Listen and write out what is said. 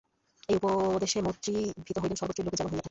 এই উপদেশে মৈত্রেয়ী ভীত হইলেন, সর্বত্রই লোকে যেমন হইয়া থাকে।